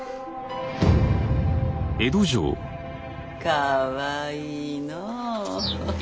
かわいいのう。